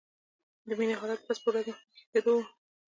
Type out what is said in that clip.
د مينې حالت ورځ په ورځ مخ په ښه کېدو و